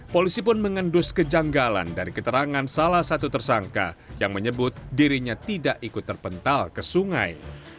polisi pun mengendus kejanggalan dari keterangan salah satu tersangka yang menyebut dirinya tidak ikut terpental ke sungai